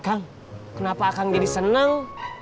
kang kenapa akan jadi senang